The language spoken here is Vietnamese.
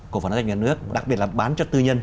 cổ phản các doanh nghiệp nước đặc biệt là bán cho tư nhân